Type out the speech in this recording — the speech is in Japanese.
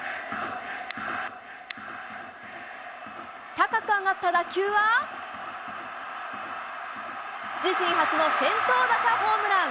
高く上がった打球は自身初の先頭打者ホームラン。